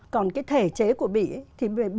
còn cái thể chế của bỉ